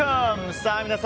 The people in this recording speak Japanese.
さあ、皆様